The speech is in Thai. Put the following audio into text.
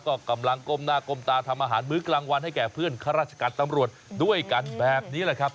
ก็กำลังก้มหน้าก้มตาทำอาหารมื้อกลางวันให้แก่เพื่อนข้าราชการตำรวจด้วยกันแบบนี้แหละครับ